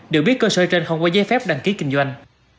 đều biết cơ sở trên không có giấy phép đăng ký kinh doanh